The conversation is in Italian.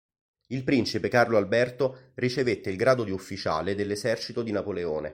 Il principe Carlo Alberto ricevette il grado di ufficiale dell'esercito di Napoleone.